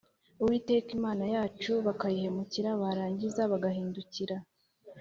Uwiteka Imana yacu bakayihemukira barangiza bagahindukira